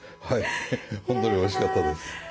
はいほんとにおいしかったです。